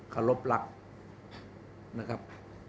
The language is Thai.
ขอรบรักนะครับ